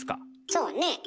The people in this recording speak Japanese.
そうねえ。